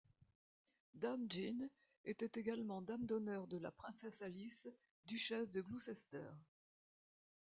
Dame Jean était également dame d'honneur de la princesse Alice, duchesse de Gloucester.